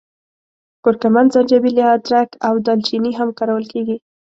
کورکمن، زنجبیل یا ادرک او دال چیني هم کارول کېږي.